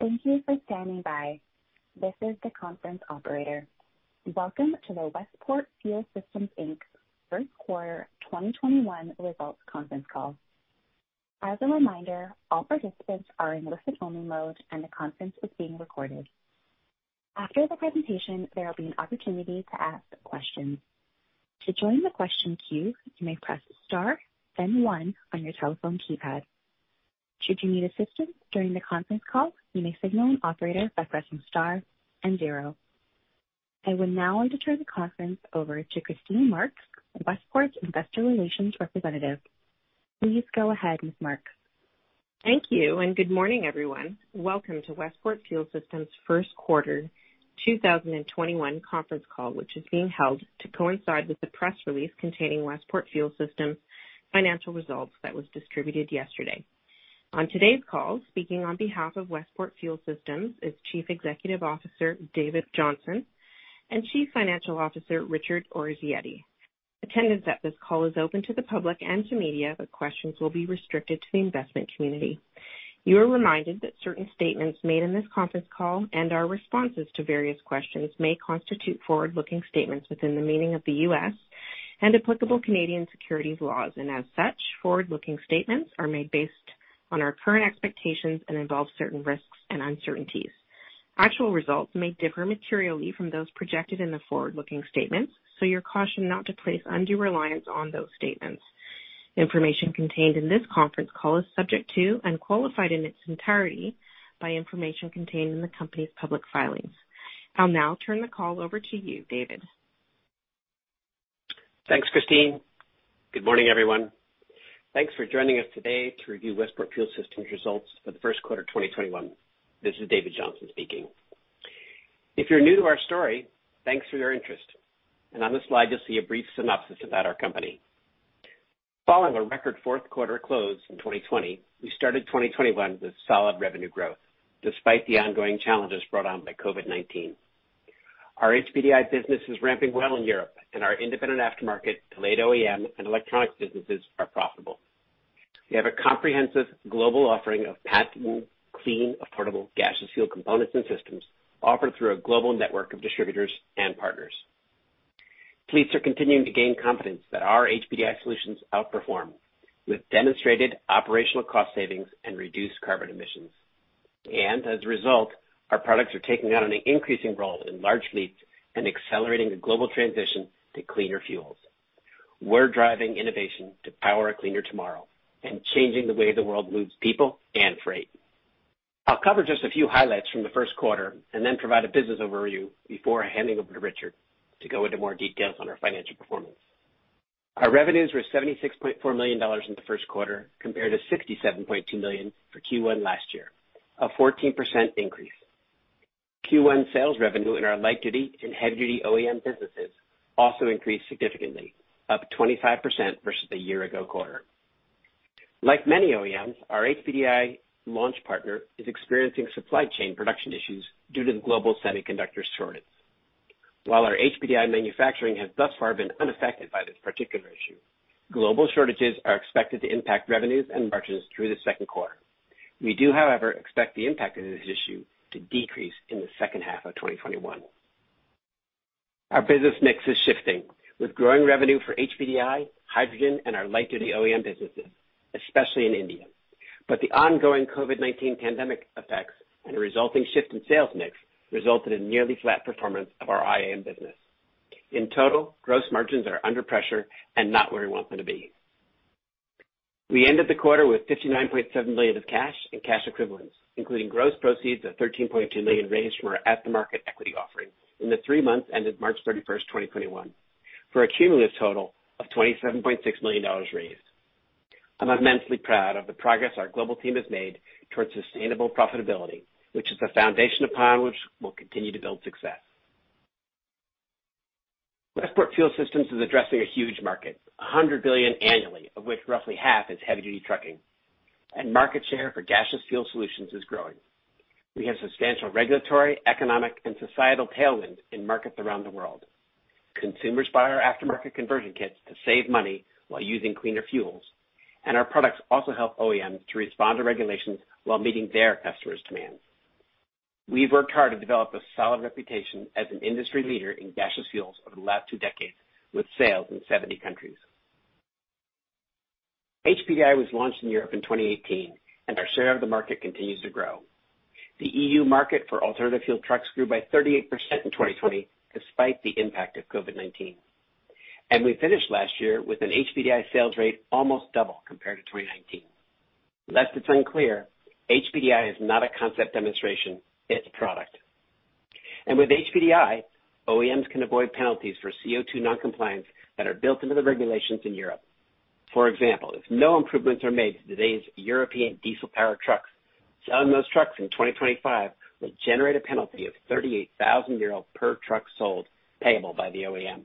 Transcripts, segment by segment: Thank you for standing by. This is the conference operator. Welcome to the Westport Fuel Systems Inc.'s first quarter 2021 results conference call. As a reminder, all participants are in listen only mode and the conference is being recorded. After the presentation, there will be an opportunity to ask questions. To join the question queue, you may press star then one on your telephone keypad. Should you need assistance during the conference call, you may signal an operator by pressing star and zero. I would now like to turn the conference over to Christine Marks, Westport's investor relations representative. Please go ahead, Ms. Marks. Thank you. Good morning, everyone. Welcome to Westport Fuel Systems' first quarter 2021 conference call, which is being held to coincide with the press release containing Westport Fuel Systems' financial results that was distributed yesterday. On today's call, speaking on behalf of Westport Fuel Systems is Chief Executive Officer, David Johnson, and Chief Financial Officer, Richard Orazietti. Attendance at this call is open to the public and to media, but questions will be restricted to the investment community. You are reminded that certain statements made in this conference call and our responses to various questions may constitute forward-looking statements within the meaning of the U.S. and applicable Canadian securities laws. As such, forward-looking statements are made based on our current expectations and involve certain risks and uncertainties. Actual results may differ materially from those projected in the forward-looking statements. You're cautioned not to place undue reliance on those statements. Information contained in this conference call is subject to and qualified in its entirety by information contained in the company's public filings. I'll now turn the call over to you, David. Thanks, Christine. Good morning, everyone. Thanks for joining us today to review Westport Fuel Systems results for the first quarter of 2021. This is David Johnson speaking. If you're new to our story, thanks for your interest. On this slide, you'll see a brief synopsis about our company. Following a record fourth quarter close in 2020, we started 2021 with solid revenue growth despite the ongoing challenges brought on by COVID-19. Our HPDI business is ramping well in Europe and our independent aftermarket, delayed OEM, and electronics businesses are profitable. We have a comprehensive global offering of patented, clean, affordable gaseous fuel components and systems offered through a global network of distributors and partners. Fleets are continuing to gain confidence that our HPDI solutions outperform with demonstrated operational cost savings and reduced carbon emissions. As a result, our products are taking on an increasing role in large fleets and accelerating the global transition to cleaner fuels. We're driving innovation to power a cleaner tomorrow and changing the way the world moves people and freight. I'll cover just a few highlights from the first quarter and then provide a business overview before handing over to Richard to go into more details on our financial performance. Our revenues were $76.4 million in the first quarter, compared to $67.2 million for Q1 last year, a 14% increase. Q1 sales revenue in our light-duty and heavy-duty OEM businesses also increased significantly, up 25% versus a year ago quarter. Like many OEMs, our HPDI launch partner is experiencing supply chain production issues due to the global semiconductor shortage. While our HPDI manufacturing has thus far been unaffected by this particular issue, global shortages are expected to impact revenues and margins through the second quarter. We do, however, expect the impact of this issue to decrease in the second half of 2021. Our business mix is shifting with growing revenue for HPDI, hydrogen, and our light-duty OEM businesses, especially in India. The ongoing COVID-19 pandemic effects and the resulting shift in sales mix resulted in nearly flat performance of our IAM business. In total, gross margins are under pressure and not where we want them to be. We ended the quarter with $59.7 million of cash and cash equivalents, including gross proceeds of $13.2 million raised from our at the market equity offering in the three months ended March 31st, 2021, for a cumulative total of $27.6 million raised. I'm immensely proud of the progress our global team has made towards sustainable profitability, which is the foundation upon which we'll continue to build success. Westport Fuel Systems is addressing a huge market, $100 billion annually, of which roughly half is heavy-duty trucking. Market share for gaseous fuel solutions is growing. We have substantial regulatory, economic, and societal tailwinds in markets around the world. Consumers buy our aftermarket conversion kits to save money while using cleaner fuels, and our products also help OEMs to respond to regulations while meeting their customers' demands. We've worked hard to develop a solid reputation as an industry leader in gaseous fuels over the last two decades, with sales in 70 countries. HPDI was launched in Europe in 2018, and our share of the market continues to grow. The EU market for alternative fuel trucks grew by 38% in 2020 despite the impact of COVID-19. We finished last year with an HPDI sales rate almost double compared to 2019. Lest it's unclear, HPDI is not a concept demonstration, it's a product. With HPDI, OEMs can avoid penalties for CO2 non-compliance that are built into the regulations in Europe. For example, if no improvements are made to today's European diesel-powered trucks, selling those trucks in 2025 will generate a penalty of 38,000 euro per truck sold, payable by the OEM.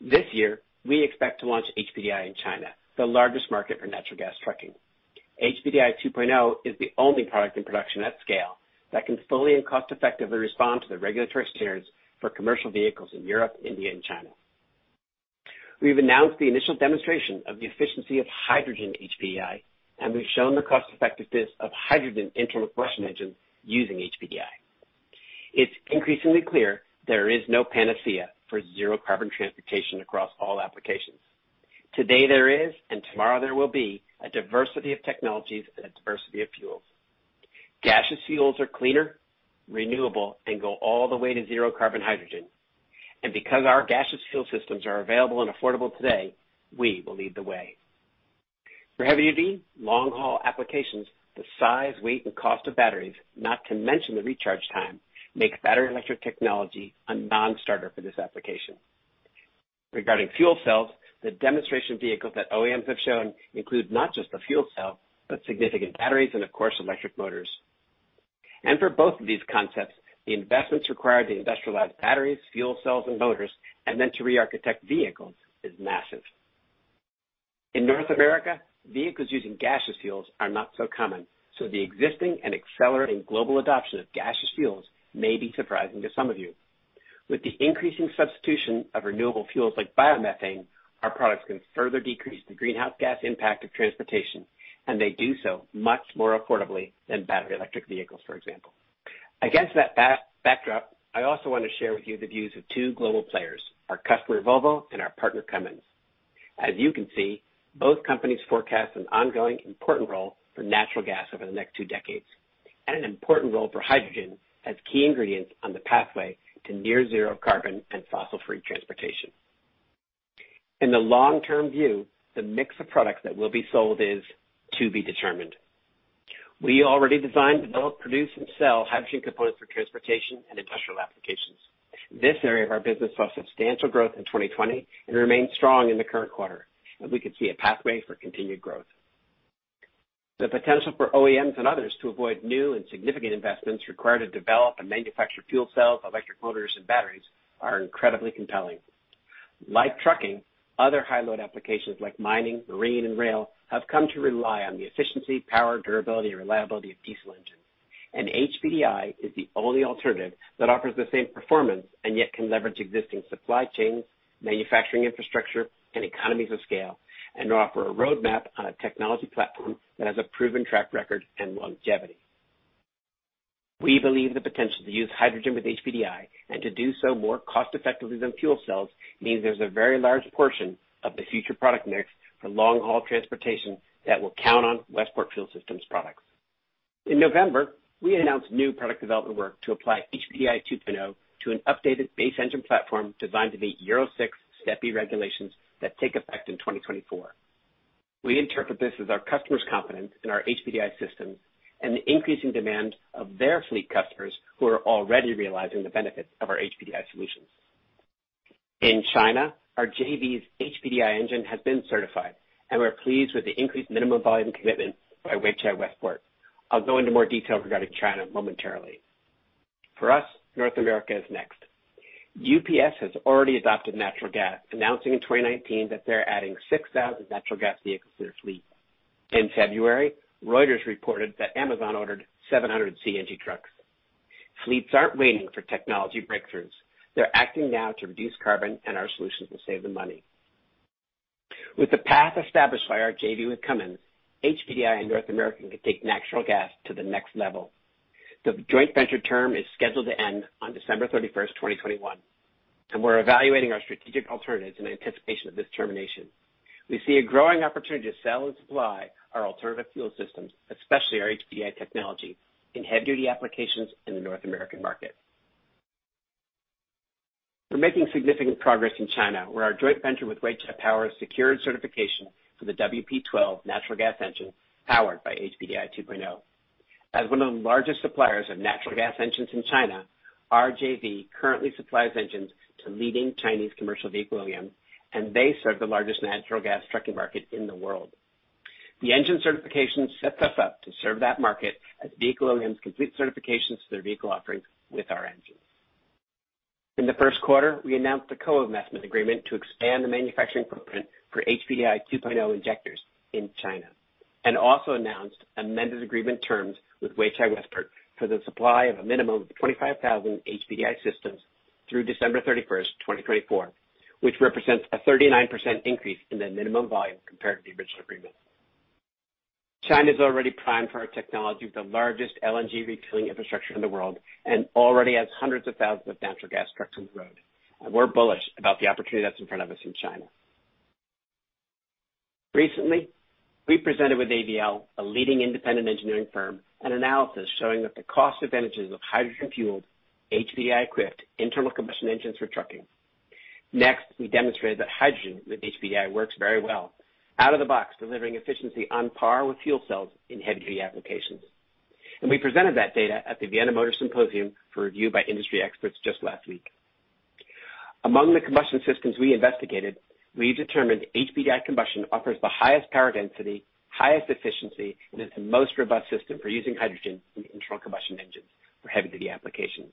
This year, we expect to launch HPDI in China, the largest market for natural gas trucking. HPDI 2.0 is the only product in production at scale that can fully and cost-effectively respond to the regulatory standards for commercial vehicles in Europe, India, and China. We've announced the initial demonstration of the efficiency of hydrogen HPDI, and we've shown the cost-effectiveness of hydrogen internal combustion engines using HPDI. It's increasingly clear there is no panacea for zero carbon transportation across all applications. Today there is, and tomorrow there will be, a diversity of technologies and a diversity of fuels. Gaseous fuels are cleaner, renewable, and go all the way to zero carbon hydrogen. Because our gaseous fuel systems are available and affordable today, we will lead the way. For heavy-duty, long-haul applications, the size, weight, and cost of batteries, not to mention the recharge time, make battery electric technology a non-starter for this application. Regarding fuel cells, the demonstration vehicles that OEMs have shown include not just the fuel cell, but significant batteries, and of course, electric motors. For both of these concepts, the investments required to industrialize batteries, fuel cells, and motors, and then to rearchitect vehicles, is massive. In North America, vehicles using gaseous fuels are not so common, so the existing and accelerating global adoption of gaseous fuels may be surprising to some of you. With the increasing substitution of renewable fuels like biomethane, our products can further decrease the greenhouse gas impact of transportation, and they do so much more affordably than battery electric vehicles, for example. Against that backdrop, I also want to share with you the views of two global players, our customer, Volvo, and our partner, Cummins. As you can see, both companies forecast an ongoing important role for natural gas over the next two decades, and an important role for hydrogen as key ingredients on the pathway to near zero carbon and fossil-free transportation. In the long-term view, the mix of products that will be sold is to be determined. We already design, develop, produce, and sell hydrogen components for transportation and industrial applications. This area of our business saw substantial growth in 2020 and remains strong in the current quarter, and we could see a pathway for continued growth. The potential for OEMs and others to avoid new and significant investments required to develop and manufacture fuel cells, electric motors, and batteries are incredibly compelling. Like trucking, other high-load applications like mining, marine, and rail have come to rely on the efficiency, power, durability, and reliability of diesel engines. HPDI is the only alternative that offers the same performance and yet can leverage existing supply chains, manufacturing infrastructure, and economies of scale, and offer a roadmap on a technology platform that has a proven track record and longevity. We believe the potential to use hydrogen with HPDI, and to do so more cost effectively than fuel cells, means there's a very large portion of the future product mix for long-haul transportation that will count on Westport Fuel Systems products. In November, we announced new product development work to apply HPDI 2.0 to an updated base engine platform designed to meet Euro 6 Step E regulations that take effect in 2024. We interpret this as our customer's confidence in our HPDI systems and the increasing demand of their fleet customers who are already realizing the benefits of our HPDI solutions. In China, our JV's HPDI engine has been certified, and we're pleased with the increased minimum volume commitment by Weichai Westport. I'll go into more detail regarding China momentarily. For us, North America is next. UPS has already adopted natural gas, announcing in 2019 that they're adding 6,000 natural gas vehicles to their fleet. In February, Reuters reported that Amazon ordered 700 CNG trucks. Fleets aren't waiting for technology breakthroughs. They're acting now to reduce carbon, and our solutions will save them money. With the path established by our JV with Cummins, HPDI in North American can take natural gas to the next level. The joint venture term is scheduled to end on December 31st, 2021, and we're evaluating our strategic alternatives in anticipation of this termination. We see a growing opportunity to sell and supply our alternative fuel systems, especially our HPDI technology, in heavy-duty applications in the North American market. We're making significant progress in China, where our joint venture with Weichai Power has secured certification for the WP12 natural gas engine, powered by HPDI 2.0. As one of the largest suppliers of natural gas engines in China, our JV currently supplies engines to leading Chinese commercial vehicle OEMs, and they serve the largest natural gas trucking market in the world. The engine certification sets us up to serve that market as vehicle OEMs complete certifications to their vehicle offerings with our engines. In the first quarter, we announced a co-investment agreement to expand the manufacturing footprint for HPDI 2.0 injectors in China. Also announced amended agreement terms with Weichai Westport for the supply of a minimum of 25,000 HPDI systems through December 31st, 2024, which represents a 39% increase in the minimum volume compared to the original agreement. China's already primed for our technology with the largest LNG refueling infrastructure in the world. Already has hundreds of thousands of natural gas trucks on the road. We're bullish about the opportunity that's in front of us in China. Recently, we presented with AVL, a leading independent engineering firm, an analysis showing that the cost advantages of hydrogen fueled HPDI-equipped internal combustion engines for trucking. Next, we demonstrated that hydrogen with HPDI works very well out of the box, delivering efficiency on par with fuel cells in heavy-duty applications. We presented that data at the International Vienna Motor Symposium for review by industry experts just last week. Among the combustion systems we investigated, we determined HPDI combustion offers the highest power density, highest efficiency, and is the most robust system for using hydrogen in internal combustion engines for heavy-duty applications.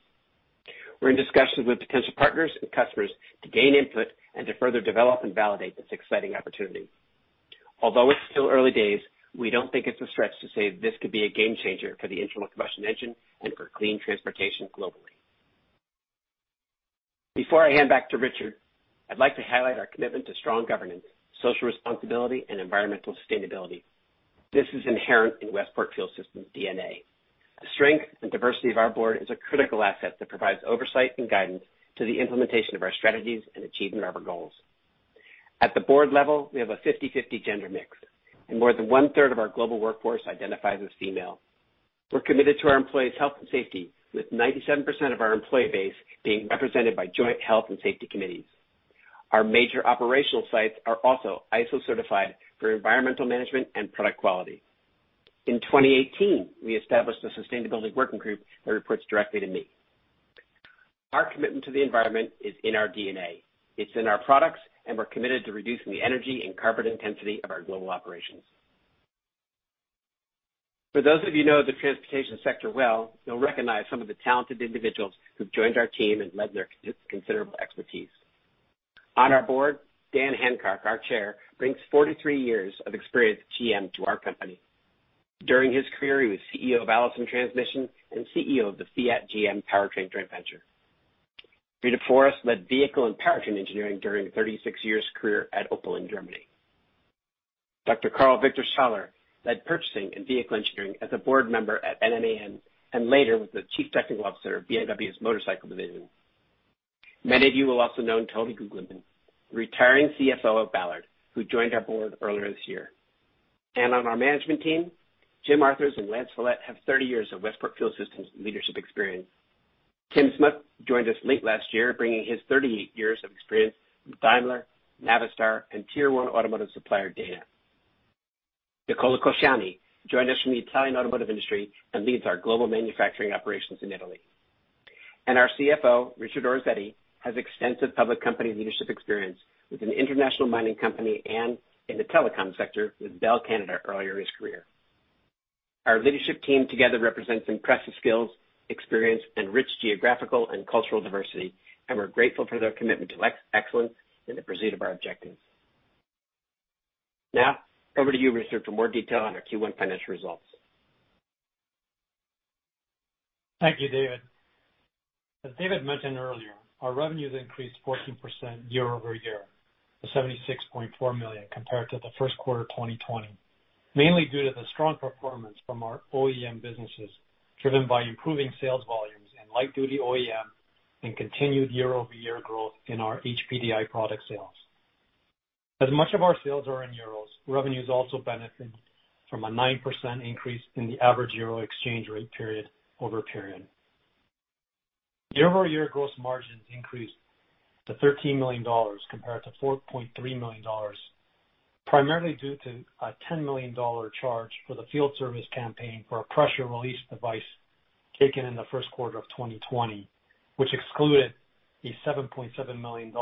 We're in discussions with potential partners and customers to gain input and to further develop and validate this exciting opportunity. Although it's still early days, we don't think it's a stretch to say this could be a game changer for the internal combustion engine and for clean transportation globally. Before I hand back to Richard, I'd like to highlight our commitment to strong governance, social responsibility, and environmental sustainability. This is inherent in Westport Fuel Systems' DNA. The strength and diversity of our board is a critical asset that provides oversight and guidance to the implementation of our strategies and achievement of our goals. At the board level, we have a 50/50 gender mix, and more than one-third of our global workforce identifies as female. We're committed to our employees' health and safety, with 97% of our employee base being represented by joint health and safety committees. Our major operational sites are also ISO certified for environmental management and product quality. In 2018, we established a sustainability working group that reports directly to me. Our commitment to the environment is in our DNA. It's in our products, and we're committed to reducing the energy and carbon intensity of our global operations. For those of you who know the transportation sector well, you'll recognize some of the talented individuals who've joined our team and lend their considerable expertise. On our board, Dan Hancock, our Chair, brings 43 years of experience at GM to our company. During his career, he was CEO of Allison Transmission and CEO of the Fiat-GM Powertrain joint venture. Rita Forst led vehicle and powertrain engineering during her 36 years career at Opel in Germany. Dr. Karl-Viktor Schaller led purchasing and vehicle engineering as a Board Member at MAN, and later was the Chief Technical Officer of BMW's motorcycle division. Many of you will also know Tony Guglielmin, retiring CFO of Ballard, who joined our board earlier this year. On our management team, Jim Arthurs and Lance Follett have 30 years of Westport Fuel Systems leadership experience. Tim Smith joined us late last year, bringing his 38 years of experience with Daimler, Navistar, and Tier 1 automotive supplier Dana. Nicola Cosciani joined us from the Italian automotive industry and leads our global manufacturing operations in Italy. Our CFO, Richard Orazietti, has extensive public company leadership experience with an international mining company and in the telecom sector with Bell Canada earlier in his career. Our leadership team together represents impressive skills, experience, and rich geographical and cultural diversity, and we're grateful for their commitment to excellence in the pursuit of our objectives. Now, over to you, Richard, for more detail on our Q1 financial results. Thank you, David. As David mentioned earlier, our revenues increased 14% year-over-year to $76.4 million compared to the first quarter 2020, mainly due to the strong performance from our OEM businesses, driven by improving sales volumes in light duty OEM and continued year-over-year growth in our HPDI product sales. As much of our sales are in euros, revenues also benefited from a 9% increase in the average euro exchange rate period-over-period. Year-over-year gross margins increased to $13 million compared to $4.3 million, primarily due to a $10 million charge for the field service campaign for a pressure relief device taken in the first quarter of 2020, which excluded the $7.7 million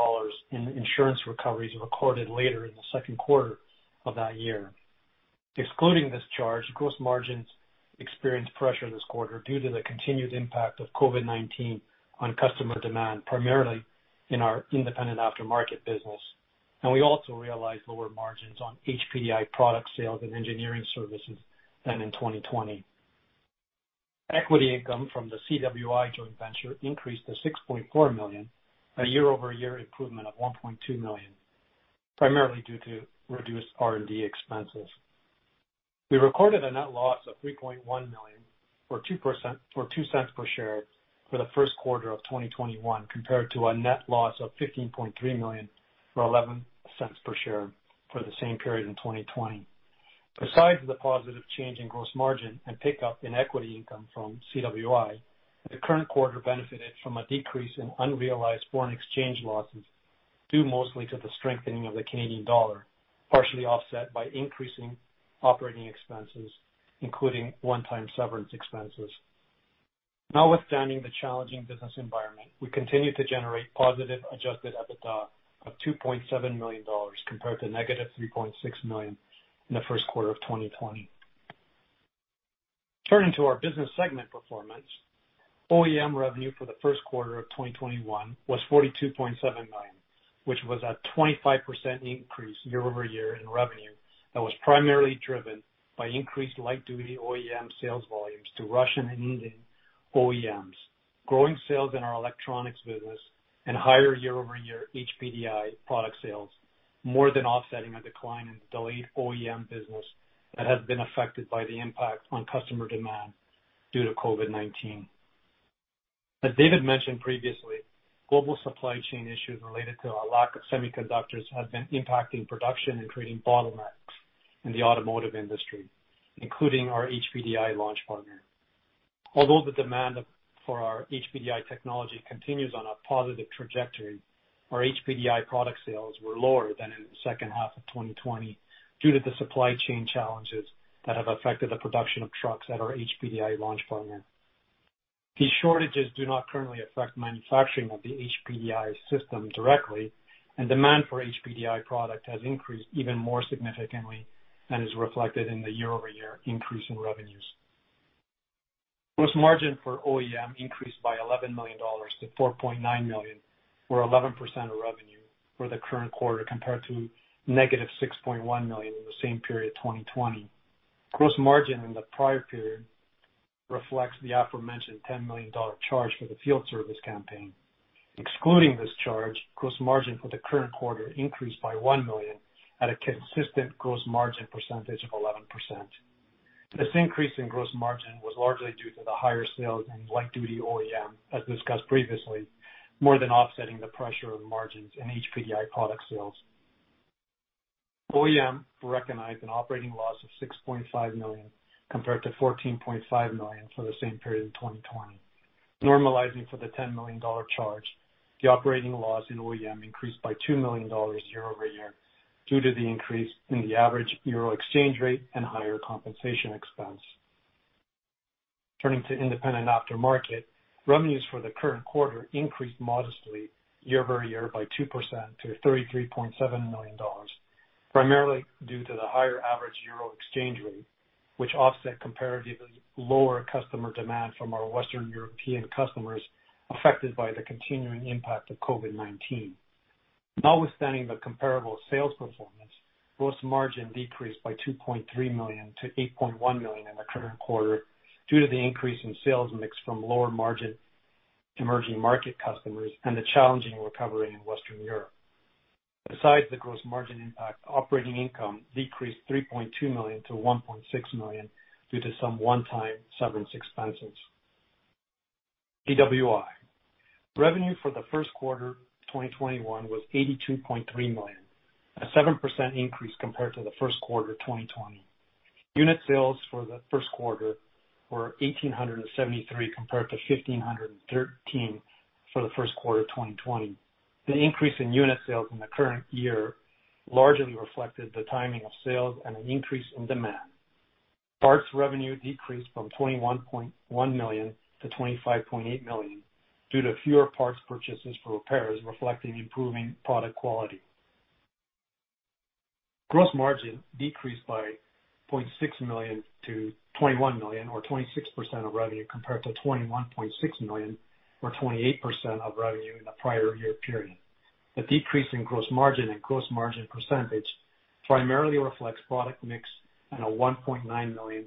in insurance recoveries recorded later in the second quarter of that year. Excluding this charge, gross margins experienced pressure this quarter due to the continued impact of COVID-19 on customer demand, primarily in our independent aftermarket business, and we also realized lower margins on HPDI product sales and engineering services than in 2020. Equity income from the CWI joint venture increased to $6.4 million, a year-over-year improvement of $1.2 million, primarily due to reduced R&D expenses. We recorded a net loss of $3.1 million or $0.02 per share for the first quarter of 2021 compared to a net loss of $15.3 million or $0.11 per share for the same period in 2020. Besides the positive change in gross margin and pickup in equity income from CWI, the current quarter benefited from a decrease in unrealized foreign exchange losses due mostly to the strengthening of the Canadian dollar, partially offset by increasing operating expenses, including one-time severance expenses. Notwithstanding the challenging business environment, we continue to generate positive adjusted EBITDA of $2.7 million compared to -$3.6 million in the first quarter of 2020. Turning to our business segment performance, OEM revenue for the first quarter of 2021 was $42.7 million, which was a 25% increase year-over-year in revenue that was primarily driven by increased light duty OEM sales volumes to Russian and Indian OEMs. Growing sales in our electronics business and higher year-over-year HPDI product sales more than offsetting a decline in delayed OEM business that has been affected by the impact on customer demand due to COVID-19. As David mentioned previously, global supply chain issues related to a lack of semiconductors have been impacting production and creating bottlenecks in the automotive industry, including our HPDI launch partner. Although the demand for our HPDI technology continues on a positive trajectory, our HPDI product sales were lower than in the second half of 2020 due to the supply chain challenges that have affected the production of trucks at our HPDI launch partner. These shortages do not currently affect manufacturing of the HPDI system directly, and demand for HPDI product has increased even more significantly than is reflected in the year-over-year increase in revenues. Gross margin for OEM increased by $11 million-$4.9 million or 11% of revenue for the current quarter, compared to negative $6.1 million in the same period 2020. Gross margin in the prior period reflects the aforementioned $10 million charge for the field service campaign. Excluding this charge, gross margin for the current quarter increased by $1 million at a consistent gross margin percentage of 11%. This increase in gross margin was largely due to the higher sales in light-duty OEM, as discussed previously, more than offsetting the pressure on margins in HPDI product sales. OEM recognized an operating loss of $6.5 million, compared to $14.5 million for the same period in 2020. Normalizing for the $10 million charge, the operating loss in OEM increased by $2 million year-over-year due to the increase in the average euro exchange rate and higher compensation expense. Turning to independent aftermarket, revenues for the current quarter increased modestly year-over-year by 2% to $33.7 million, primarily due to the higher average euro exchange rate, which offset comparatively lower customer demand from our Western European customers affected by the continuing impact of COVID-19. Notwithstanding the comparable sales performance, gross margin decreased by $2.3 million-$8.1 million in the current quarter due to the increase in sales mix from lower margin emerging market customers and the challenging recovery in Western Europe. Besides the gross margin impact, operating income decreased $3.2 million-$1.6 million due to some one-time severance expenses. CWI. Revenue for the first quarter 2021 was $82.3 million, a 7% increase compared to the first quarter 2020. Unit sales for the first quarter were 1,873 compared to 1,513 for the first quarter 2020. The increase in unit sales in the current year largely reflected the timing of sales and an increase in demand. Parts revenue decreased from $21.1 million-$25.8 million due to fewer parts purchases for repairs reflecting improving product quality. Gross margin decreased by $0.6 million-$21 million or 26% of revenue, compared to $21.6 million or 28% of revenue in the prior year period. The decrease in gross margin and gross margin percentage primarily reflects product mix and a $1.9 million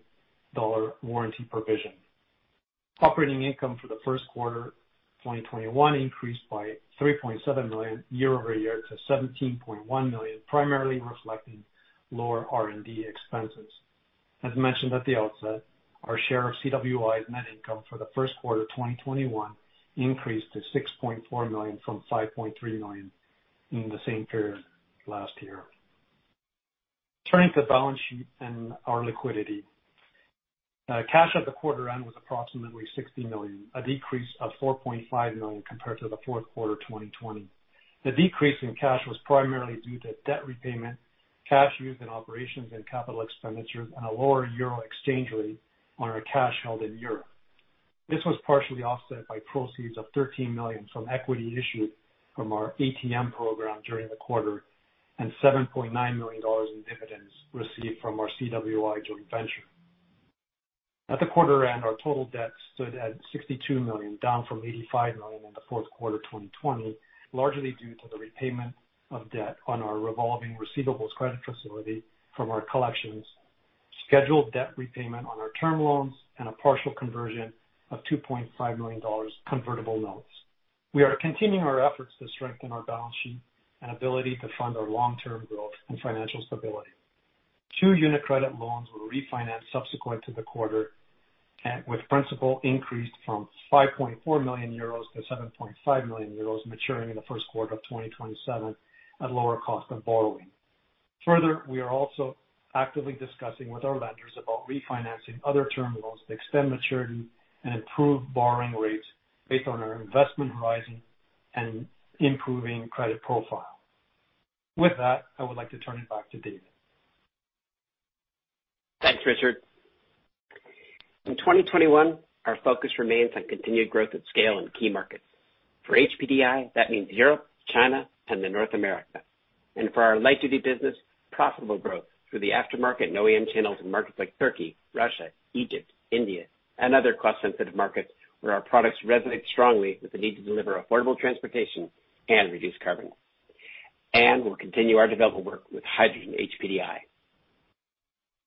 warranty provision. Operating income for the first quarter 2021 increased by $3.7 million year-over-year to $17.1 million, primarily reflecting lower R&D expenses. As mentioned at the outset, our share of CWI's net income for the first quarter 2021 increased to $6.4 million from $5.3 million in the same period last year. Turning to balance sheet and our liquidity. Cash at the quarter end was approximately $60 million, a decrease of $4.5 million compared to the fourth quarter 2020. The decrease in cash was primarily due to debt repayment, cash used in operations and capital expenditures, and a lower euro exchange rate on our cash held in Europe. This was partially offset by proceeds of $13 million from equity issued from our ATM program during the quarter and $7.9 million in dividends received from our CWI joint venture. At the quarter end, our total debt stood at $62 million, down from $85 million in the fourth quarter 2020, largely due to the repayment of debt on our revolving receivables credit facility from our collections, scheduled debt repayment on our term loans, and a partial conversion of $2.5 million convertible notes. We are continuing our efforts to strengthen our balance sheet and ability to fund our long-term growth and financial stability. Two UniCredit loans were refinanced subsequent to the quarter, with principal increased from 5.4 million-7.5 million euros, maturing in the first quarter of 2027 at lower cost of borrowing. Further, we are also actively discussing with our lenders about refinancing other term loans to extend maturity and improve borrowing rates based on our investment horizon and improving credit profile. With that, I would like to turn it back to David. Thanks, Richard. In 2021, our focus remains on continued growth at scale in key markets. For HPDI, that means Europe, China, and then North America. For our light-duty business, profitable growth through the aftermarket and OEM channels in markets like Turkey, Russia, Egypt, India, and other cost-sensitive markets where our products resonate strongly with the need to deliver affordable transportation and reduce carbon. We'll continue our development work with hydrogen HPDI.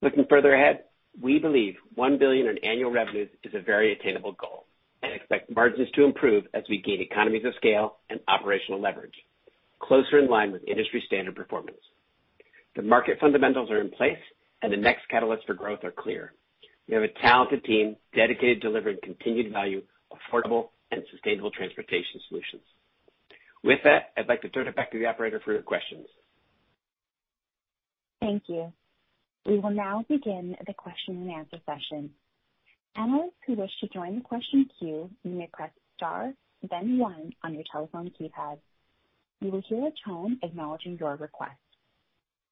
Looking further ahead, we believe $1 billion in annual revenues is a very attainable goal and expect margins to improve as we gain economies of scale and operational leverage, closer in line with industry standard performance. The market fundamentals are in place, and the next catalysts for growth are clear. We have a talented team dedicated to delivering continued value, affordable, and sustainable transportation solutions. With that, I'd like to turn it back to the operator for your questions. Thank you. We will now begin the question and answer session. Analysts who wish to join the question queue, you may press star then one on your telephone keypad. You will hear a tone acknowledging your request.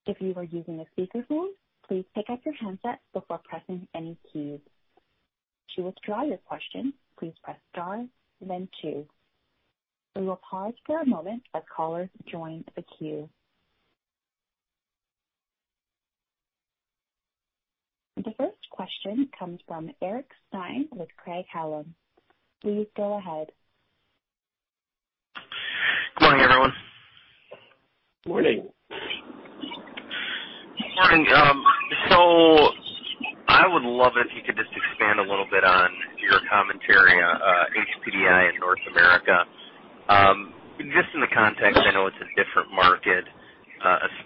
If you are using a speakerphone, please pick up your handset before pressing any keys. To withdraw your question, please press star then two. We will pause for a moment as callers join the queue. The first question comes from Eric Stine with Craig-Hallum. Please go ahead. Good morning, everyone. Morning. Morning. I would love if you could just expand a little bit on your commentary on HPDI in North America. Just in the context, I know it's a different market,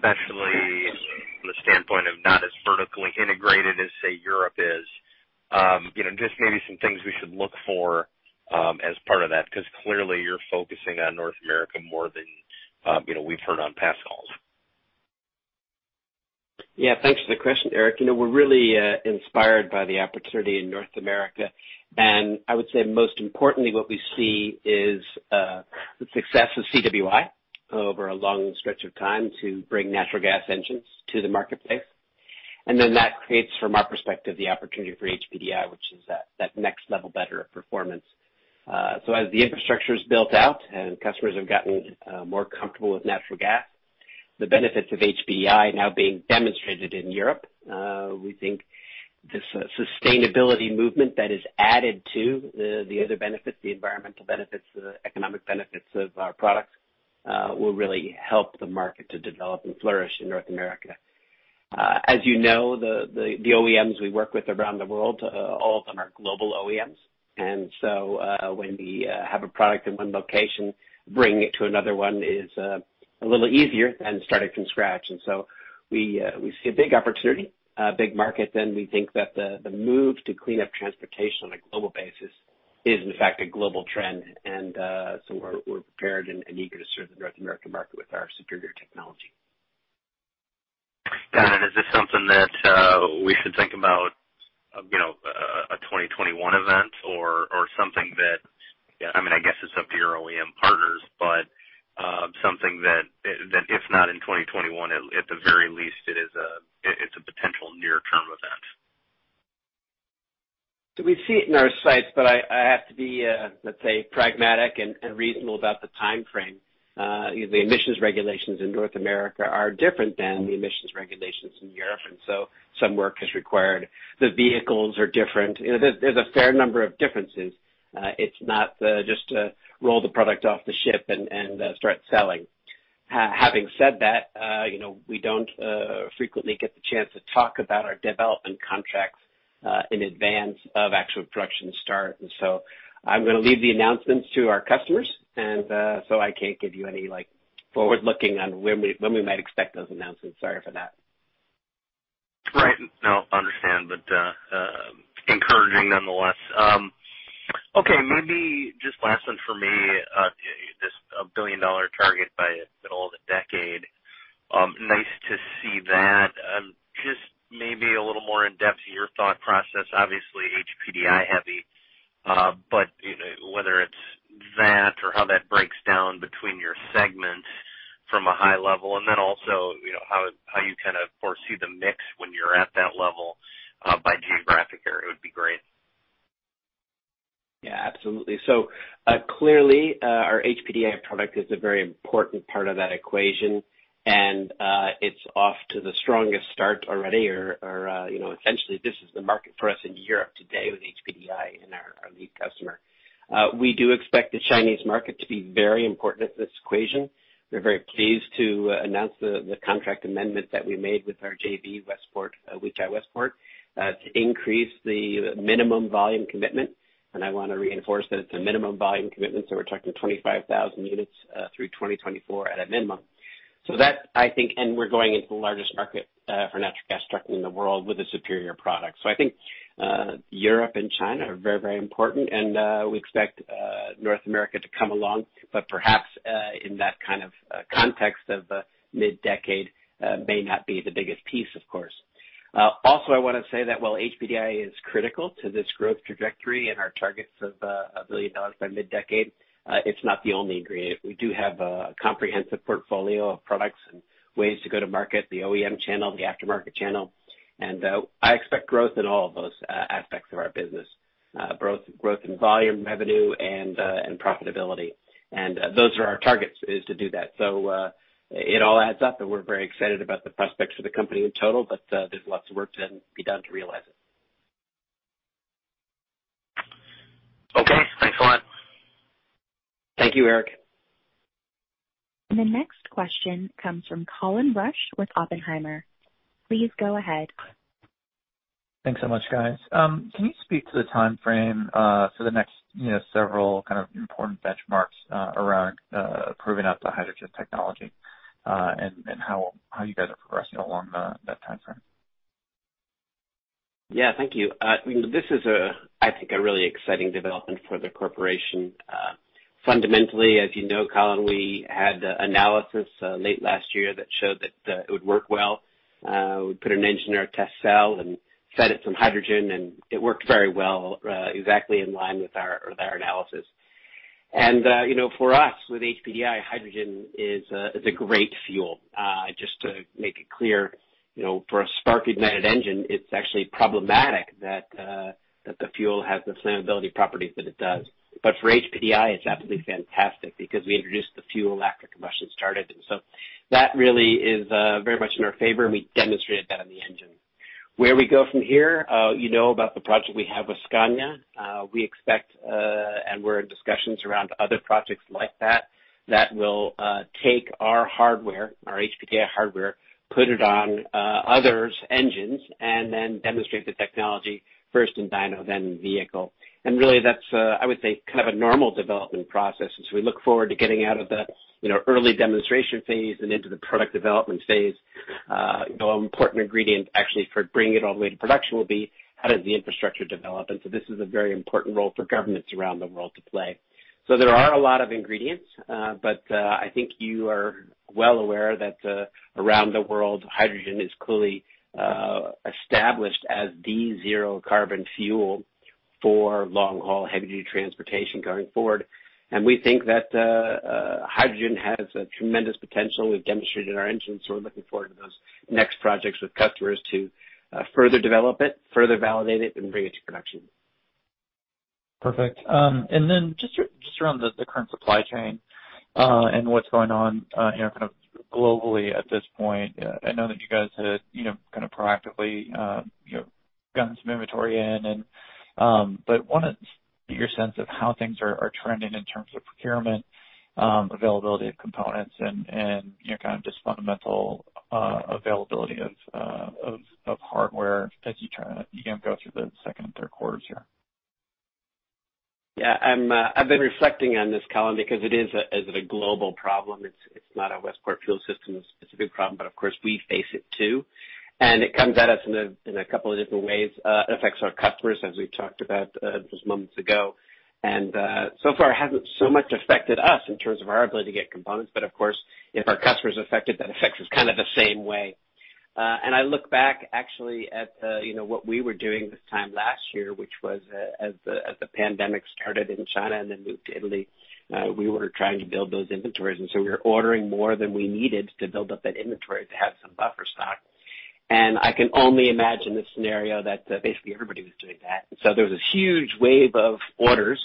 especially from the standpoint of not as vertically integrated as, say, Europe is. Just maybe some things we should look for as part of that, because clearly you're focusing on North America more than we've heard on past calls. Yeah. Thanks for the question, Eric. We're really inspired by the opportunity in North America. I would say most importantly, what we see is the success of CWI over a long stretch of time to bring natural gas engines to the marketplace. Then that creates, from our perspective, the opportunity for HPDI, which is that next level better performance. As the infrastructure is built out and customers have gotten more comfortable with natural gas, the benefits of HPDI now being demonstrated in Europe, we think this sustainability movement that is added to the other benefits, the environmental benefits, the economic benefits of our products, will really help the market to develop and flourish in North America. As you know, the OEMs we work with around the world, all of them are global OEMs. When we have a product in one location, bringing it to another one is a little easier than starting from scratch. We see a big opportunity, a big market, and we think that the move to clean up transportation on a global basis is, in fact, a global trend. We're prepared and eager to serve the North American market with our superior technology. Is this something that we should think about a 2021 event or something that I guess it's up to your OEM partners, but something that if not in 2021, at the very least, it's a potential near-term event? We see it in our sights, but I have to be, let's say, pragmatic and reasonable about the timeframe. The emissions regulations in North America are different than the emissions regulations in Europe. Some work is required. The vehicles are different. There's a fair number of differences. It's not just roll the product off the ship and start selling. Having said that, we don't frequently get the chance to talk about our development contracts in advance of actual production start. I'm going to leave the announcements to our customers. I can't give you any forward-looking on when we might expect those announcements. Sorry for that. Right. No, understand. Encouraging nonetheless. Okay, maybe just last one for me. This $1 billion target by the middle of the decade. Nice to see that. Just maybe a little more in-depth to your thought process, obviously HPDI heavy, but whether it's that or how that breaks down between your segments from a high level, and then also, how you kind of foresee the mix when you're at that level by geographic area would be great. Yeah, absolutely. Clearly, our HPDI product is a very important part of that equation, and it's off to the strongest start already. Essentially, this is the market for us in Europe today with HPDI and our lead customer. We do expect the Chinese market to be very important in this equation. We're very pleased to announce the contract amendment that we made with our JV, Weichai Westport, to increase the minimum volume commitment, and I want to reinforce that it's a minimum volume commitment, so we're talking 25,000 units through 2024 at a minimum. We're going into the largest market for natural gas trucking in the world with a superior product. I think Europe and China are very important, and we expect North America to come along, but perhaps in that kind of context of mid-decade, may not be the biggest piece, of course. Also, I want to say that while HPDI is critical to this growth trajectory and our targets of $1 billion by mid-decade, it's not the only ingredient. We do have a comprehensive portfolio of products and ways to go to market, the OEM channel, the aftermarket channel, and I expect growth in all of those aspects of our business. Growth in volume, revenue, and profitability. Those are our targets, is to do that. It all adds up, and we're very excited about the prospects for the company in total, but there's lots of work to be done to realize it. Okay. Thanks a lot. Thank you, Eric. The next question comes from Colin Rusch with Oppenheimer. Please go ahead. Thanks so much, guys. Can you speak to the timeframe for the next several kind of important benchmarks around proving out the hydrogen technology, and how you guys are progressing along that timeframe? Yeah, thank you. This is, I think, a really exciting development for the corporation. Fundamentally, as you know, Colin, we had analysis late last year that showed that it would work well. We put an engine in our test cell and fed it some hydrogen, and it worked very well, exactly in line with our analysis. For us, with HPDI, hydrogen is a great fuel. Just to make it clear, for a spark-ignited engine, it's actually problematic that the fuel has the flammability properties that it does. For HPDI, it's absolutely fantastic because we introduce the fuel after combustion's started, and so that really is very much in our favor, and we demonstrated that on the engine. Where we go from here, you know about the project we have with Scania. We expect, we're in discussions around other projects like that will take our hardware, our HPDI hardware, put it on others' engines, demonstrate the technology, first in dyno, then in vehicle. Really that's, I would say, kind of a normal development process as we look forward to getting out of the early demonstration phase and into the product development phase. The important ingredient actually for bringing it all the way to production will be how does the infrastructure develop? This is a very important role for governments around the world to play. There are a lot of ingredients. I think you are well aware that around the world, hydrogen is clearly established as the zero-carbon fuel for long-haul, heavy-duty transportation going forward. We think that hydrogen has a tremendous potential. We've demonstrated our engines, so we're looking forward to those next projects with customers to further develop it, further validate it, and bring it to production. Perfect. Then just around the current supply chain, and what's going on kind of globally at this point. I know that you guys had kind of proactively gotten some inventory in, but wanted your sense of how things are trending in terms of procurement, availability of components, and just fundamental availability of hardware as you go through the second and third quarters here. Yeah. I've been reflecting on this, Colin. It is a global problem. It's not a Westport Fuel Systems specific problem. Of course, we face it too. It comes at us in a couple of different ways. It affects our customers, as we've talked about just moments ago. So far it hasn't so much affected us in terms of our ability to get components. Of course, if our customer is affected, that affects us kind of the same way. I look back actually at what we were doing this time last year, which was as the pandemic started in China and then moved to Italy, we were trying to build those inventories. We were ordering more than we needed to build up that inventory to have some buffer stock. I can only imagine the scenario that basically everybody was doing that. There was this huge wave of orders,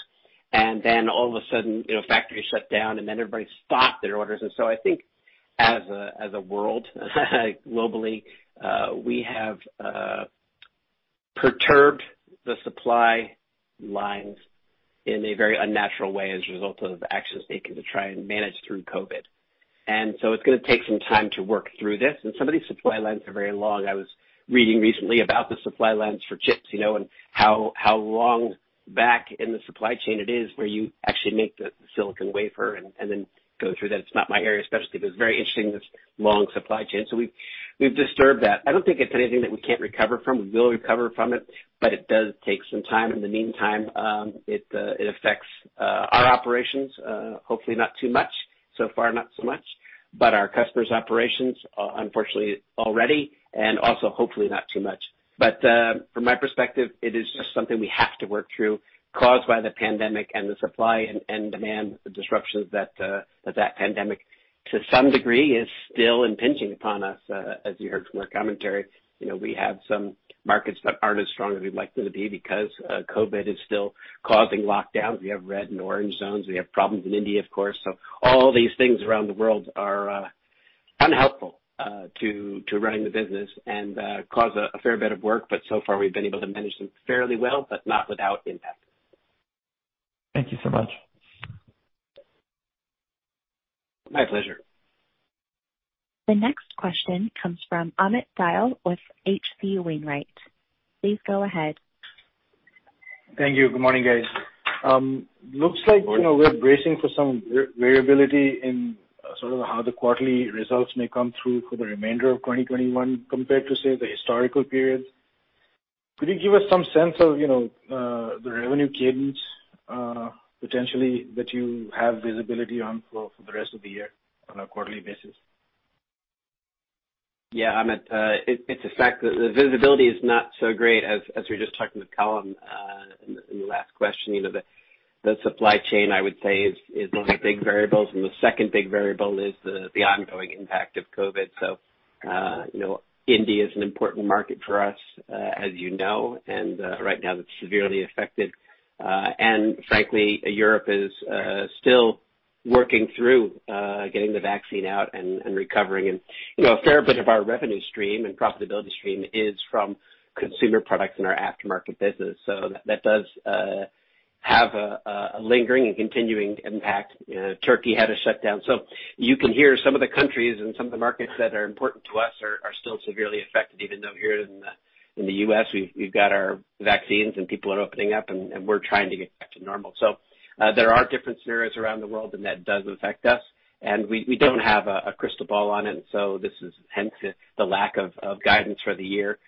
and then all of a sudden, factories shut down, and then everybody stopped their orders. I think as a world globally, we have perturbed the supply lines in a very unnatural way as a result of actions taken to try and manage through COVID. It's going to take some time to work through this, and some of these supply lines are very long. I was reading recently about the supply lines for chips, and how long back in the supply chain it is where you actually make the silicon wafer and then go through that. It's not my area of specialty, but it's very interesting, this long supply chain. We've disturbed that. I don't think it's anything that we can't recover from. We will recover from it, but it does take some time. In the meantime, it affects our operations. Hopefully not too much. So far, not so much. Our customers' operations, unfortunately, already, and also hopefully not too much. From my perspective, it is just something we have to work through, caused by the pandemic and the supply and demand disruptions that that pandemic, to some degree, is still impinging upon us, as you heard from our commentary. We have some markets that aren't as strong as we'd like them to be because COVID is still causing lockdowns. We have red and orange zones. We have problems in India, of course. All these things around the world are unhelpful to running the business and cause a fair bit of work, but so far we've been able to manage them fairly well, but not without impact. Thank you so much. My pleasure. The next question comes from Amit Dayal with H.C. Wainwright. Please go ahead. Thank you. Good morning, guys. Good morning. Looks like we're bracing for some variability in sort of how the quarterly results may come through for the remainder of 2021 compared to, say, the historical periods. Could you give us some sense of the revenue cadence, potentially, that you have visibility on for the rest of the year on a quarterly basis? Yeah, Amit, it's a fact that the visibility is not so great, as we were just talking with Colin in the last question. The supply chain, I would say, is one of the big variables, and the second big variable is the ongoing impact of COVID-19. India is an important market for us, as you know, and right now that's severely affected. Frankly, Europe is still working through getting the vaccine out and recovering. A fair bit of our revenue stream and profitability stream is from consumer products in our aftermarket business, that does have a lingering and continuing impact. Turkey had a shutdown. You can hear some of the countries and some of the markets that are important to us are still severely affected, even though here in the U.S., we've got our vaccines, and people are opening up, and we're trying to get back to normal. There are different scenarios around the world, and that does affect us, and we don't have a crystal ball on it, this is hence the lack of guidance for the year.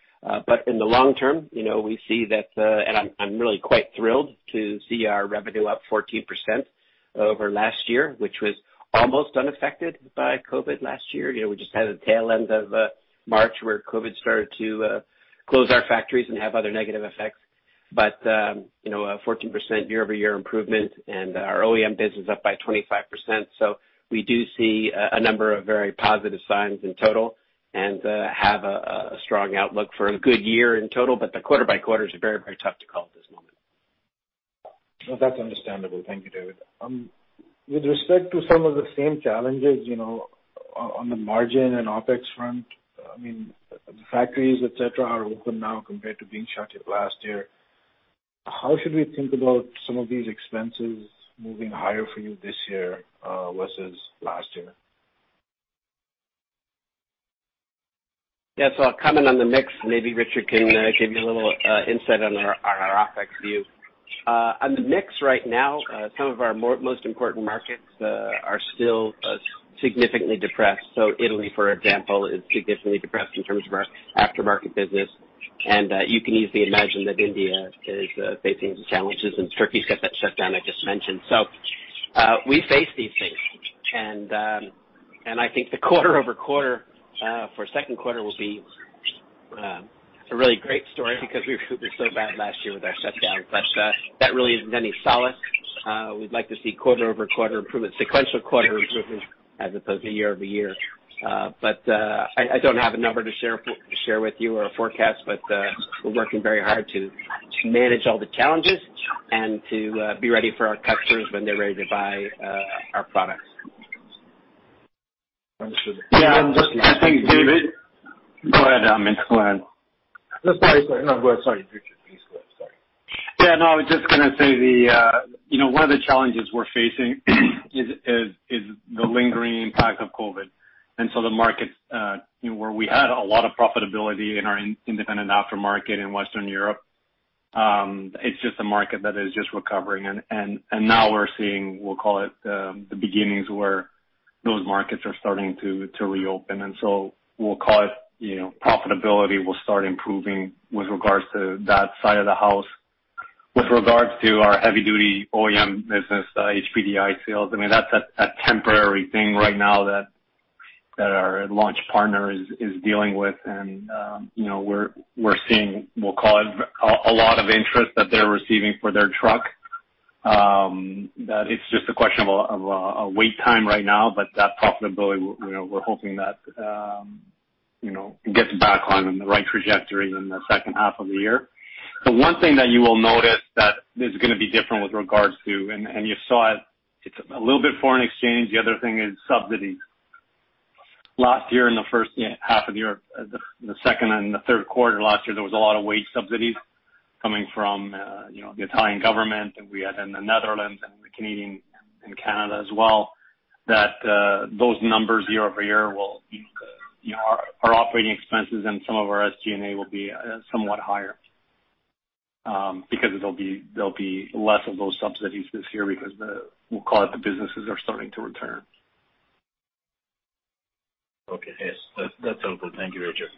In the long term, we see that I'm really quite thrilled to see our revenue up 14% over last year, which was almost unaffected by COVID last year. We just had the tail end of March where COVID started to close our factories and have other negative effects. 14% year-over-year improvement, our OEM business up by 25%. We do see a number of very positive signs in total and have a strong outlook for a good year in total. The quarter-by-quarter is very, very tough to call at this point. That's understandable. Thank you, David. With respect to some of the same challenges on the margin and OpEx front, the factories, et cetera, are open now compared to being shut last year. How should we think about some of these expenses moving higher for you this year versus last year? I'll comment on the mix. Maybe Richard can give you a little insight on our OpEx view. On the mix right now, some of our most important markets are still significantly depressed. Italy, for example, is significantly depressed in terms of our aftermarket business, and you can easily imagine that India is facing some challenges and Turkey's got that shutdown I just mentioned. We face these things and I think the quarter-over-quarter for second quarter will be a really great story because we were so bad last year with our shutdowns. That really isn't any solace. We'd like to see quarter-over-quarter improvement, sequential quarter improvement as opposed to year-over-year. I don't have a number to share with you or a forecast, but we're working very hard to manage all the challenges and to be ready for our customers when they're ready to buy our products. Understood. Yeah, I think, David. Go ahead, Amit. Go ahead. No, sorry. Go ahead. Sorry, Richard. Please go ahead. Sorry. I was just gonna say one of the challenges we're facing is the lingering impact of COVID-19. The markets where we had a lot of profitability in our independent aftermarket in Western Europe, it's just a market that is just recovering. Now we're seeing, we'll call it, the beginnings where those markets are starting to reopen. Profitability will start improving with regards to that side of the house. With regards to our heavy duty OEM business, HPDI sales, that's a temporary thing right now that our launch partner is dealing with. We're seeing, we'll call it, a lot of interest that they're receiving for their truck. That is just a question of a wait time right now. That profitability, we're hoping that it gets back on the right trajectory in the second half of the year. The one thing that you will notice that is gonna be different with regards to, and you saw it's a little bit foreign exchange. The other thing is subsidies. Last year in the first half of the year, the second and the third quarter last year, there was a lot of wage subsidies coming from the Italian government, and we had in the Netherlands and the Canadian in Canada as well, that those numbers year-over-year will be our operating expenses and some of our SG&A will be somewhat higher, because there'll be less of those subsidies this year because the, we'll call it, the businesses are starting to return. Okay. Yes. That's helpful. Thank you, Richard.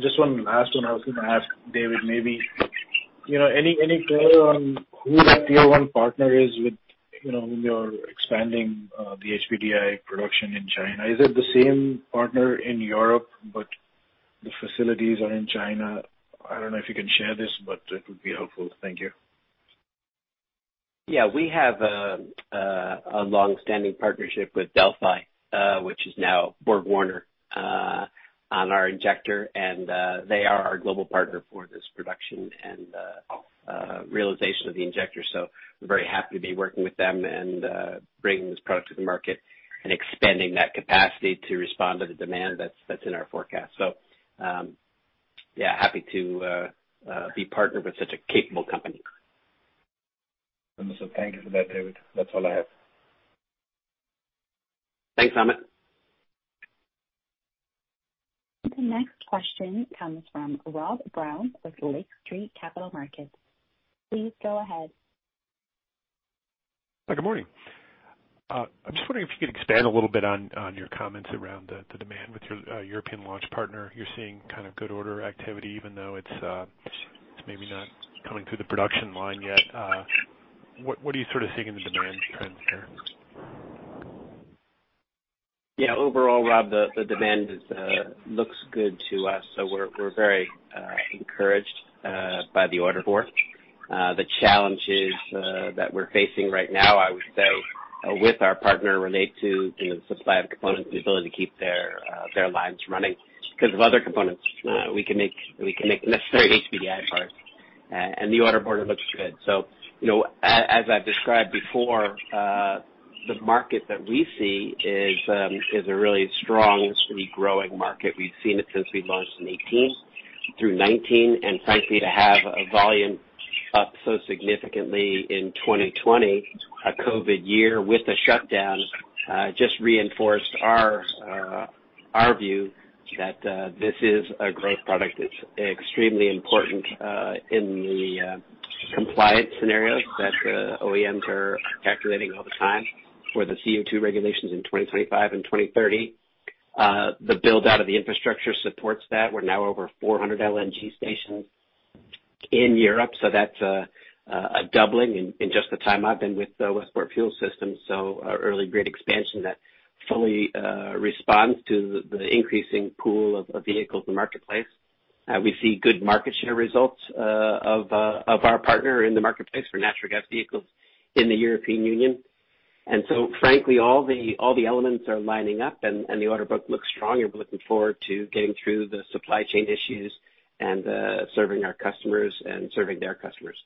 Just one last one I was gonna ask David, maybe. Any clarity on who that Tier 1 partner is with your expanding the HPDI production in China? Is it the same partner in Europe but the facilities are in China? I don't know if you can share this, but it would be helpful. Thank you. Yeah. We have a longstanding partnership with Delphi, which is now BorgWarner, on our injector, and they are our global partner for this production and realization of the injector. We're very happy to be working with them and bringing this product to the market and expanding that capacity to respond to the demand that's in our forecast. Yeah, happy to be partnered with such a capable company. Understood. Thank you for that, David. That's all I have. Thanks, Amit. The next question comes from Rob Brown with Lake Street Capital Markets. Please go ahead. Good morning. I'm just wondering if you could expand a little bit on your comments around the demand with your European launch partner. You're seeing kind of good order activity, even though it's maybe not coming through the production line yet. What are you sort of seeing in the demand trends there? Yeah. Overall, Rob, the demand looks good to us. We're very encouraged by the order board. The challenges that we're facing right now, I would say, with our partner relate to the supply of components and ability to keep their lines running because of other components. We can make necessary HPDI parts. The order board looks good. As I've described before, the market that we see is a really strong, steady growing market. We've seen it since we launched in 2018 through 2019. Frankly, to have a volume up so significantly in 2020, a COVID year with a shutdown, just reinforced our view that this is a growth product. It's extremely important in the compliance scenarios that OEMs are calculating all the time for the CO2 regulations in 2025 and 2030. The build-out of the infrastructure supports that. We're now over 400 LNG stations in Europe, so that's a doubling in just the time I've been with Westport Fuel Systems, so a really great expansion that fully responds to the increasing pool of vehicles in the marketplace. We see good market share results of our partner in the marketplace for natural gas vehicles in the European Union. Frankly, all the elements are lining up and the order book looks strong and we're looking forward to getting through the supply chain issues and serving our customers and serving their customers.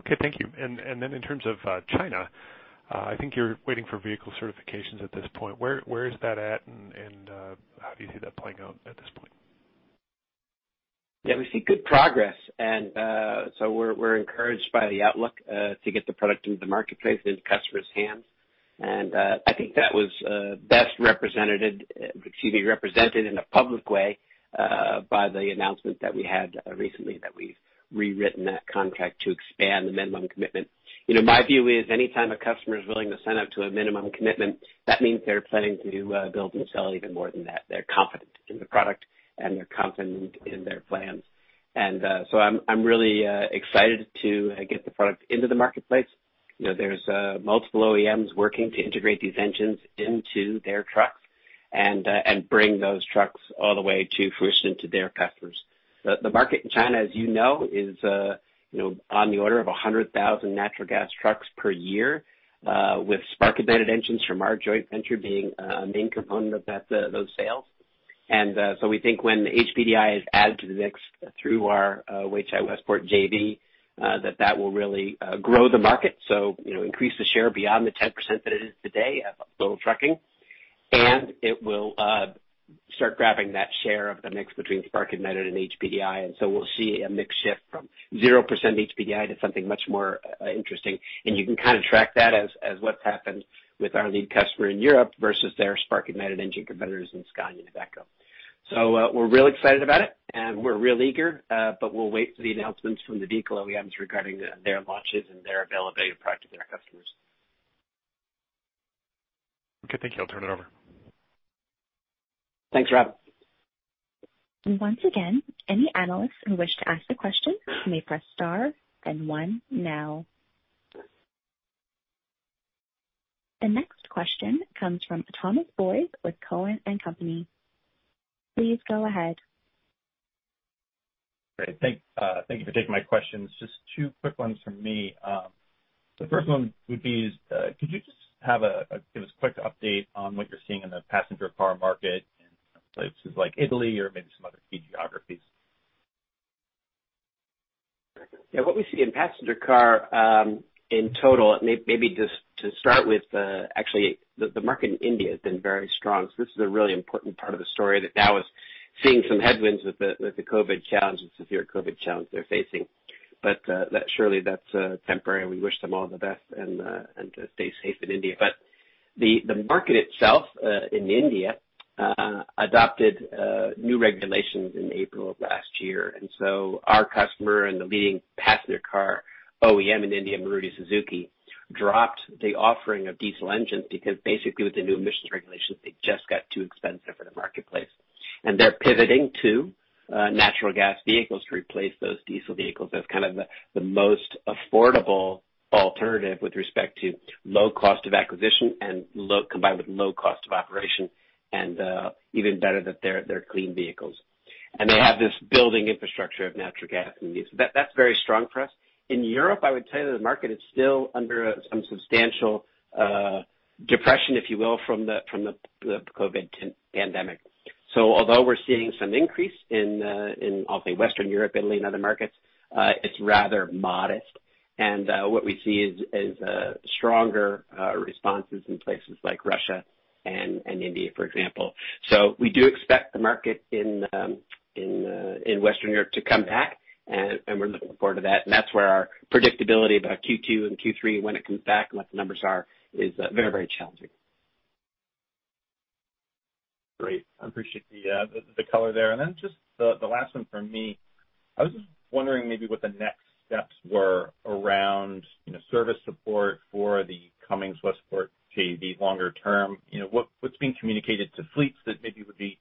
Okay, thank you. In terms of China, I think you're waiting for vehicle certifications at this point. Where is that at and how do you see that playing out at this point? Yeah, we see good progress and so we're encouraged by the outlook to get the product into the marketplace, into the customer's hands. I think that was best represented in a public way by the announcement that we had recently, that we've rewritten that contract to expand the minimum commitment. My view is anytime a customer is willing to sign up to a minimum commitment, that means they're planning to build and sell even more than that. They're confident in the product and they're confident in their plans. I'm really excited to get the product into the marketplace. There's multiple OEMs working to integrate these engines into their trucks and bring those trucks all the way to fruition to their customers. The market in China, as you know, is on the order of 100,000 natural gas trucks per year, with spark-ignited engines from our joint venture being a main component of those sales. We think when HPDI is added to the mix through our Weichai Westport JV, that that will really grow the market. Increase the share beyond the 10% that it is today of global trucking, and it will start grabbing that share of the mix between spark-ignited and HPDI. We'll see a mix shift from 0% HPDI to something much more interesting. You can kind of track that as what's happened with our lead customer in Europe versus their spark-ignited engine competitors in Scania and Iveco. We're real excited about it and we're real eager, but we'll wait for the announcements from the vehicle OEMs regarding their launches and their availability of product to their customers. Okay, thank you. I'll turn it over. Thanks, Rob. Once again, any analysts who wish to ask a question may press star and one now. The next question comes from Thomas Boyes with Cowen and Company. Please go ahead. Great. Thank you for taking my questions. Just two quick ones from me. The first one would be, could you just give us a quick update on what you're seeing in the passenger car market in places like Italy or maybe some other key geographies? Yeah. What we see in passenger car, in total, maybe just to start with, actually, the market in India has been very strong. This is a really important part of the story that now is seeing some headwinds with the severe COVID-19 challenge they're facing. Surely that's temporary. We wish them all the best and to stay safe in India. The market itself, in India, adopted new regulations in April of last year. Our customer and the leading passenger car OEM in India, Maruti Suzuki, dropped the offering of diesel engines because basically with the new emissions regulations, they just got too expensive for the marketplace. They're pivoting to natural gas vehicles to replace those diesel vehicles as kind of the most affordable alternative with respect to low cost of acquisition combined with low cost of operation and even better that they're clean vehicles. They have this building infrastructure of natural gas in India. That's very strong for us. In Europe, I would tell you the market is still under some substantial depression, if you will, from the COVID pandemic. Although we're seeing some increase in, I'll say, Western Europe, Italy, and other markets, it's rather modest. What we see is stronger responses in places like Russia and India, for example. We do expect the market in Western Europe to come back, and we're looking forward to that. That's where our predictability about Q2 and Q3 when it comes back and what the numbers are is very challenging. Great. I appreciate the color there. Just the last one from me. I was just wondering maybe what the next steps were around service support for the Cummins Westport JV longer term. What's being communicated to fleets that maybe would be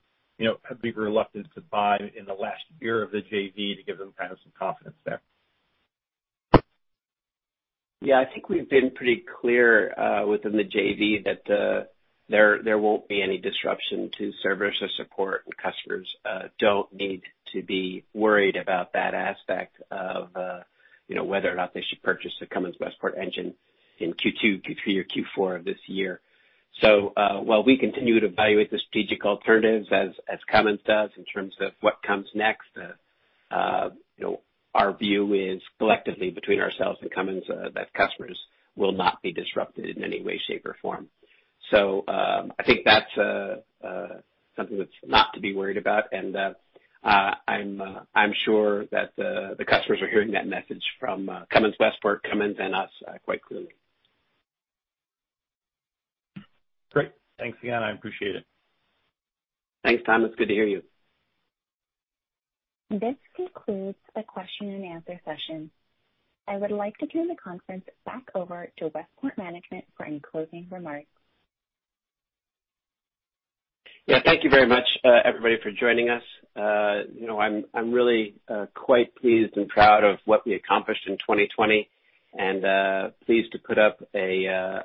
reluctant to buy in the last year of the JV to give them kind of some confidence there? I think we've been pretty clear within the JV that there won't be any disruption to service or support and customers don't need to be worried about that aspect of whether or not they should purchase a Cummins Westport engine in Q2, Q3, or Q4 of this year. While we continue to evaluate the strategic alternatives as Cummins does in terms of what comes next, our view is collectively between ourselves and Cummins, that customers will not be disrupted in any way, shape, or form. I think that's something that's not to be worried about, and I'm sure that the customers are hearing that message from Cummins Westport, Cummins, and us quite clearly. Great. Thanks again. I appreciate it. Thanks, Thomas. It's good to hear you. This concludes the question and answer session. I would like to turn the conference back over to Westport management for any closing remarks. Thank you very much, everybody, for joining us. I'm really quite pleased and proud of what we accomplished in 2020 and pleased to put up a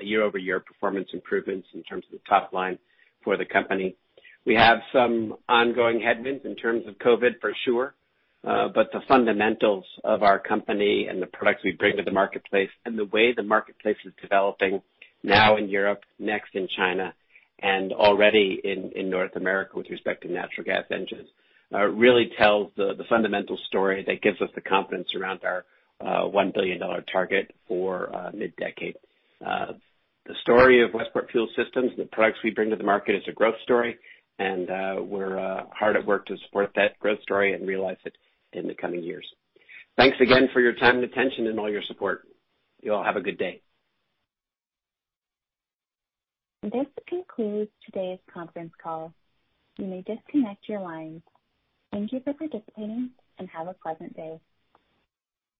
year-over-year performance improvements in terms of the top line for the company. We have some ongoing headwinds in terms of COVID-19, for sure. The fundamentals of our company and the products we bring to the marketplace and the way the marketplace is developing now in Europe, next in China, and already in North America with respect to natural gas engines, really tells the fundamental story that gives us the confidence around our $1 billion target for mid-decade. The story of Westport Fuel Systems and the products we bring to the market is a growth story, and we're hard at work to support that growth story and realize it in the coming years. Thanks again for your time and attention and all your support. You all have a good day. This concludes today's conference call. You may disconnect your lines. Thank you for participating and have a pleasant day.